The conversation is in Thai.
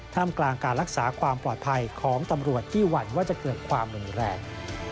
กลางการรักษาความปลอดภัยของตำรวจที่หวั่นว่าจะเกิดความรุนแรง